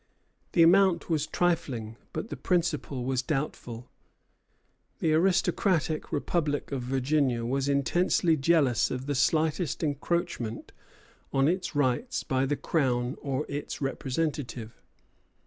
The amount was trifling, but the principle was doubtful. The aristocratic republic of Virginia was intensely jealous of the slightest encroachment on its rights by the Crown or its representative.